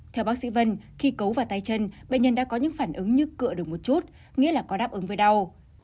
theo bác sĩ vân khi cấu vào tay chân bệnh nhân đã có những phản ứng như cựa được một chút nghĩa là có đáp ứng với đau